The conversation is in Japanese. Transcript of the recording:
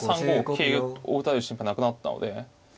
桂を打たれる心配なくなったので。